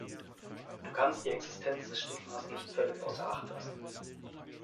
Du kannst die Existenz des Stigmas nicht völlig außer Acht lassen.